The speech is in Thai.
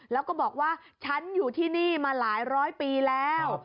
แล้วก็บอกว่าฉันอยู่ที่นี่มาหลายร้อยปีแล้ว